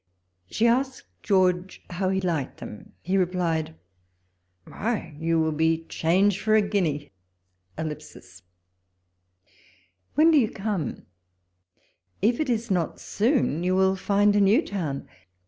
She asked George how he liked 'J'2 walpole's letters. them ; he replied, " Why, you will be change for a guinea." ... When do you come ? if it is not soon, you will find a new town.